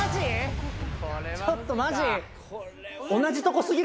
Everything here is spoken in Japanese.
ちょっとマジ？